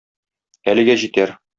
Әлегә җитәр.